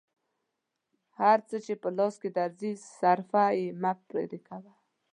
هر څه چې په لاس درځي صرفه مه پرې کوه.